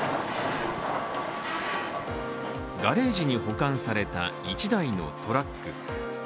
ガレージに保管された１台のトラック。